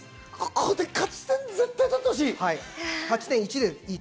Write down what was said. ここで勝ち点、絶対取ってほしい。